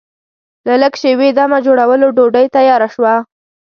له لږ شېبې دمه جوړولو ډوډۍ تیاره شوه.